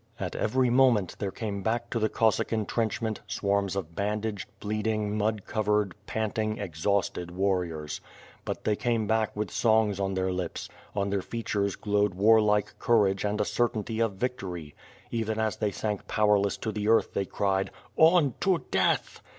At every moment, there came back to the Cossack entrench ment, swarms of bandaged, bleeding, mud covered, panting, exhausted warriors. But they came back with songs on their lips; on their features glowed warlike courage and a certainty of victory; even as they sank powerless to the earth they cried: ^'On to death!"